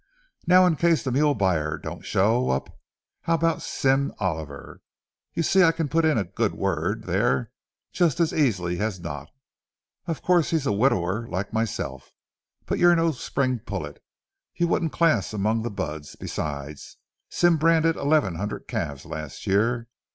Now, in case the mule buyer don't show up, how about Sim Oliver? You see, I can put in a good word there just as easily as not. Of course, he's a widower like myself, but you're no spring pullet—you wouldn't class among the buds—besides Sim branded eleven hundred calves last year.